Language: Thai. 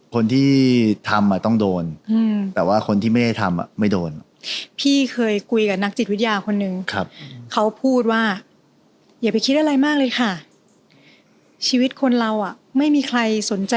เขาก็ไปแปลงฟัน